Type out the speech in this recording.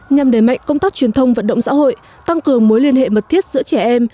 nhằm đẩy mạnh công tác truyền thông vận động xã hội tăng cường mối liên hệ mật thiết giữa trẻ em